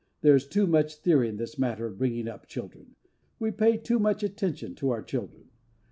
There is too much theory in this matter of bringing up children. We pay too much attention to our children.